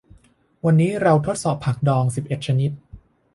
วันนี้เราทดสอบผักดองสิบเอ็ดชนิด